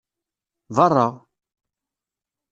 Berra!